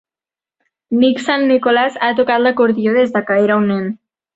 Nick Saint Nicholas ha tocat l'acordió des que era un nen.